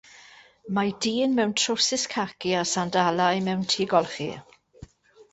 Mae dyn mewn trowsus caci a sandalau mewn tŷ golchi.